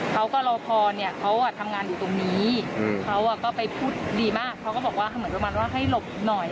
เขาก็รอพอเนี่ยเขาทำงานอยู่ตรงนี้เขาก็ไปพูดดีมากเขาก็บอกว่าเหมือนประมาณว่าให้หลบหน่อย